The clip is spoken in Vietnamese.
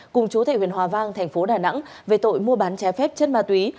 cùng chú tại huyền hòa vang thành phố đà nẵng về tội mua bán trái phép chất ma túy